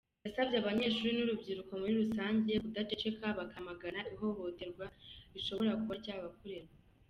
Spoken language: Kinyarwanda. Yasabye abanyeshuri n’urubyiruko muri rusange kudaceceka, bakamagana ihohoterwa rishobora kuba ryabakorerwa.